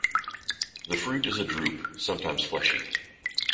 The fruit is a drupe, sometimes fleshy.